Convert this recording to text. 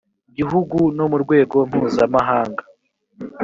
gihugu no mu rwego mpuzamahanga